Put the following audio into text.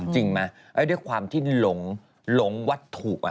จริงไหมด้วยความที่หลงวัตถุ